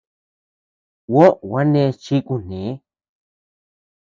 Juó gua neʼes chi kune.